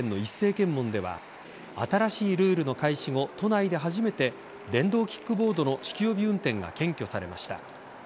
検問では新しいルールの開始後都内で初めて電動キックボードの酒気帯び運転が検挙されました。